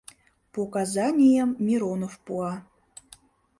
Показанийым Миронов пуа.